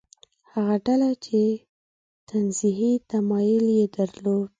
هغه ډله چې تنزیهي تمایل یې درلود.